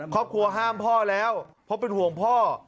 ครอบครัวห้ามพ่อแล้วเพราะเป็นห่วงพ่อ